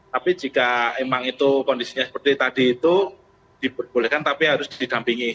tapi jika emang itu kondisinya seperti tadi itu diperbolehkan tapi harus didampingi